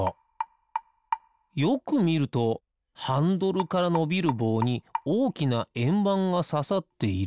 よくみるとハンドルからのびるぼうにおおきなえんばんがささっている。